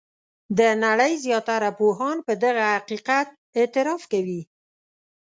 د نړۍ زیاتره پوهان په دغه حقیقت اعتراف کوي.